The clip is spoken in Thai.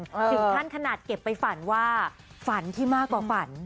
ถึงขั้นขนาดเก็บไปฝันว่าฝันที่มากกว่าฝัน